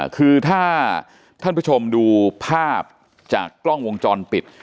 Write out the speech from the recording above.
คือถ้าท่านผู้ชมดูภาพจากกล้องวงจรปิด